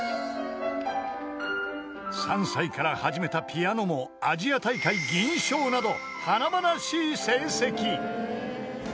［３歳から始めたピアノもアジア大会銀賞など華々しい成績］